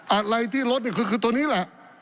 อะไรที่ลดนี่คือตัวนี้แหละ